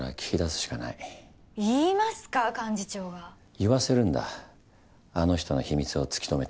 言わせるんだあの人の秘密を突き止めて。